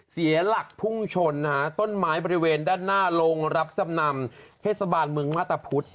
เสียหลักพุ่งชนต้นไม้บริเวณด้านหน้าโรงรับจำนำเทศบาลเมืองมาตรพุธ